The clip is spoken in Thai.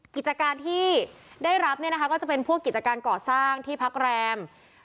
กิจการที่ได้รับเนี่ยนะคะก็จะเป็นพวกกิจการก่อสร้างที่พักแรม